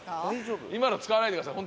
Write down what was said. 今の使わないでください